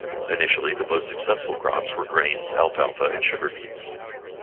Initially, the most successful crops were grains, alfalfa and sugar beets.